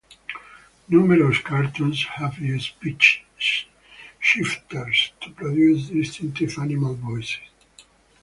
Numerous cartoons have used pitch shifters to produce distinctive animal voices.